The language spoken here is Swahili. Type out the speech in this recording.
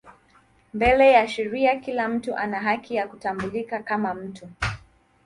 Mbele ya sheria kila mtu ana haki ya kutambulika kama mtu.